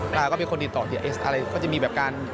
เราก็เป็นคนติดต่อดีเอสอะไรก็จะมีแบบการ